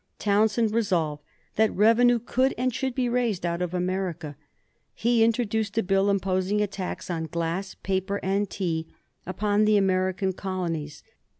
Townshend resolved that revenue could and should be raised out of America. He introduced a Bill imposing a tax on glass, paper, and tea upon the American colonies.